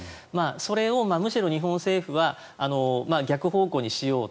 それをむしろ日本政府は逆方向にしよう